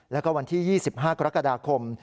แล้วก็วันที่๒๕กรกฎาคม